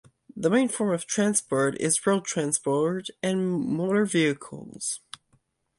The main form of transport is road transport and motor vehicles.